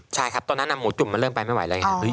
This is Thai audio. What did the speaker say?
ใช่ครับตอนนั้นหมูจุ่มมันเริ่มไปไม่ไหวแล้วไง